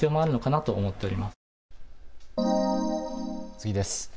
次です。